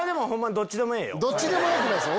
どっちでもよくないです！